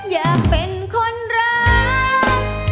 อยากเป็นคนรัก